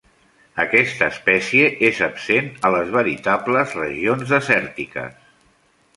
Aquesta espècie és absent a les veritables regions desèrtiques.